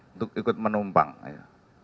untuk ikut menumpang ya